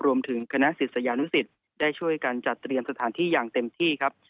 รวมถึงคณะศิษยานุสิตได้ช่วยกันจัดเตรียมสถานที่อย่างเต็มที่ครับ